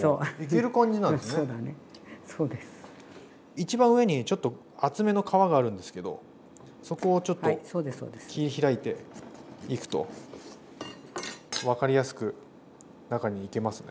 一番上にちょっと厚めの皮があるんですけどそこをちょっと切り開いていくと分かりやすく中にいけますね。